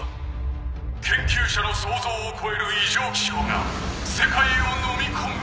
研究者の想像を超える異常気象が世界をのみ込む！